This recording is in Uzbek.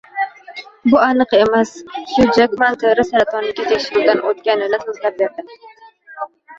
“Bu aniq emas”. Xyu Jekman teri saratoniga tekshiruvdan o‘tganini so‘zlab berdi